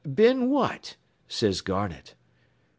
"'Been what?' says Garnett.